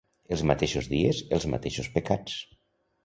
Els mateixos dies, els mateixos pecats.